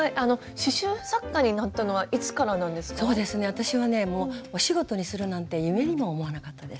私はねもうお仕事にするなんて夢にも思わなかったです。